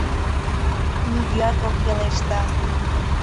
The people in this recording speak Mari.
Нигӧат ок пелеште.